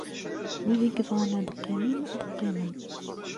Wid ay yebɣan ad qqimen, ad qqimen.